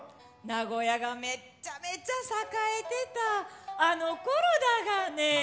名古屋がめっちゃめちゃ栄えてたあの頃だがね！